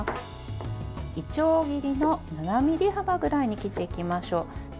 いちょう切りの７ｍｍ幅ぐらいに切っていきましょう。